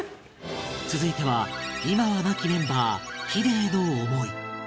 続いては今は亡きメンバー ＨＩＤＥ への思い